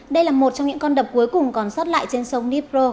đây là một trong những con đập cuối cùng còn sót lại trên sông nippro